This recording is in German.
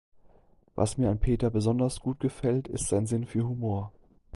Was mir an Peter besonders gut gefällt, ist sein Sinn für Humor.